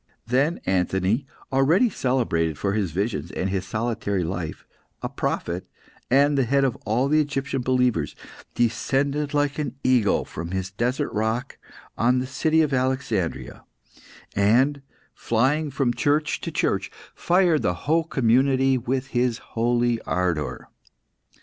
Then Anthony, already celebrated for his visions and his solitary life, a prophet, and the head of all the Egyptian believers, descended like an eagle from his desert rock on the city of Alexandria, and, flying from church to church, fired the whole community with his holy ardour.